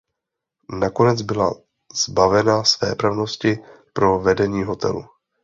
Nakonec byla zbavena svéprávnosti pro vedení hotelu.